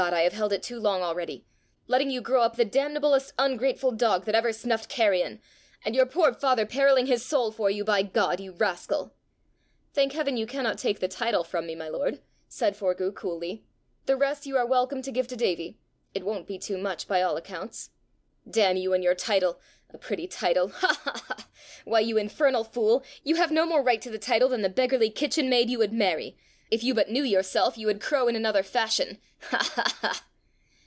I have held it too long already! letting you grow up the damnablest ungrateful dog that ever snuffed carrion! And your poor father periling his soul for you, by God, you rascal!" "Thank heaven, you cannot take the title from me, my lord!" said Forgue coolly. "The rest you are welcome to give to Davie! It won't be too much, by all accounts!" "Damn you and your title! A pretty title, ha, ha, ha! Why, you infernal fool, you have no more right to the title than the beggarly kitchen maid you would marry! If you but knew yourself, you would crow in another fashion! Ha, ha, ha!"